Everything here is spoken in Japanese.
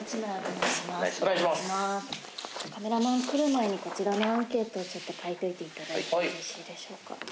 カメラマン来る前に、こちらのアンケートにちょっと書いておいていただいてよろしいでしょうか。